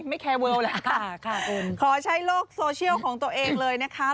ไม่แคร์เวิลด์เลยค่ะค่ะคุณขอใช้โลกโซเชียลของตัวเองเลยนะคะ